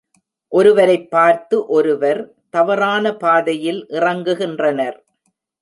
ஒருவரைப் பார்த்து ஒருவர் தவறான பாதையில் இறங்குகின்றனர்.